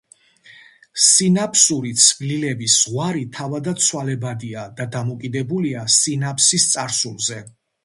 სინაფსური ცვლილების ზღვარი თავადაც ცვალებადია და დამოკიდებულია სინაფსის წარსულზე.